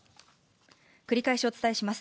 繰り返しお伝えします。